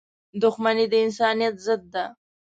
• دښمني د انسانیت ضد ده.